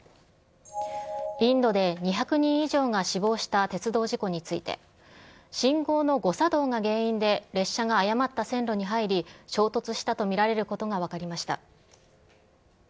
インドで２００人以上が死亡した鉄道事故について、信号の誤作動が原因で、列車が誤った線路に入り衝突したと見られることが分かりました。